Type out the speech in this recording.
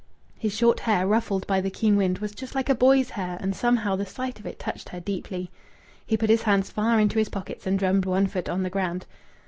His short hair, ruffled by the keen wind, was just like a boy's hair and somehow the sight of it touched her deeply. He put his hands far into his pockets and drummed one foot on the ground.